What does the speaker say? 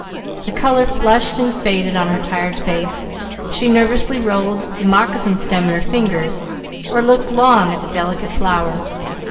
The colour flushed and faded on her tired face, she nervously rolled the moccasin stem in her fingers, or looked long at the delicate flower.